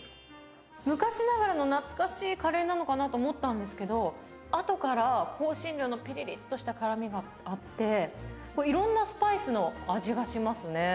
昔ながらの懐かしいカレーなのかなと思ったんですけれども、あとから香辛料のぴりりっとした辛みがあって、いろんなスパイスの味がしますね。